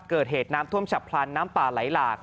เกิดเหตุน้ำท่วมฉับพลันน้ำป่าไหลหลาก